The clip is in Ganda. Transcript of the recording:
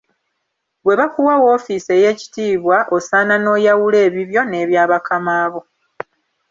Bwe bakuwa woofiisi ey'ekitiibwa osaana n'oyawula ebibyo n'ebyabakama bo.